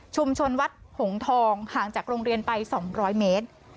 วัดหงทองห่างจากโรงเรียนไป๒๐๐เมตร